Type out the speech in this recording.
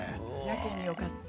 やけに良かった？